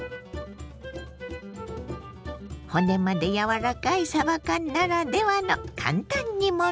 骨まで柔らかいさば缶ならではの簡単煮物。